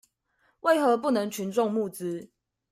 為何不能群眾募資？